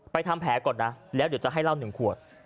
ทำแผลก่อนนะแล้วเดี๋ยวจะให้เหล้า๑ขวด